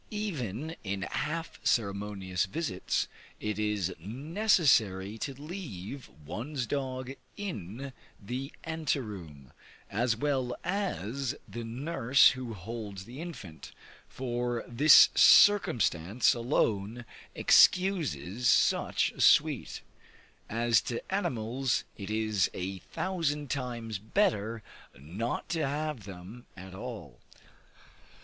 Even in half ceremonious visits, it is necessary to leave one's dog in the ante room, as well as the nurse who holds the infant, for this circumstance alone excuses such a suite. As to animals, it is a thousand times better not to have them at all.